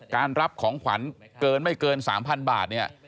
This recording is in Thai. การรับของขวัญเกินไม่เกิน๓๐๐๐บาท